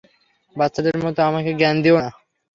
বাচ্চাদের মত আমাকে জ্ঞান দিও না।